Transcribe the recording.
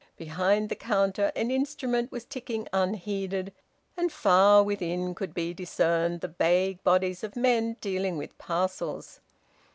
Behind the counter an instrument was ticking unheeded, and far within could be discerned the vague bodies of men dealing with parcels.